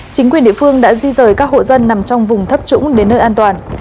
chính quyền địa phương đã di rời các hộ dân nằm trong vùng thấp trũng đến nơi an toàn